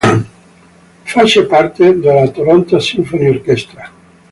Fece parte della Toronto Symphony Orchestra.